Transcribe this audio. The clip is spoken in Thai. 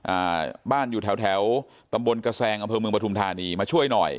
อ่าบ้านอยู่แถวแถวตำบลกระแซงอำเภอเมืองปฐุมธานีมาช่วยหน่อย